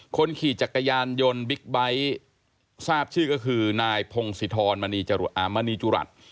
คนขี่จักรยานยนต์บิ๊กไบท์ทราบชื่อก็คือนายพงศิธรมณีจุรัฐ